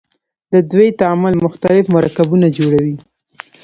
د دوی تعامل مختلف مرکبونه جوړوي.